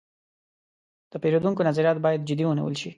د پیرودونکو نظریات باید جدي ونیول شي.